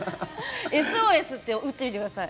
ＳＯＳって打ってみてください。